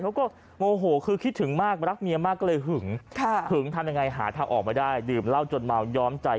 เขาก็โมโหคือคิดถึงมากรักเมียมากก็เลยหึงหึงทำยังไงหาทางออกไม่ได้ดื่มเหล้าจนเมาย้อมใจ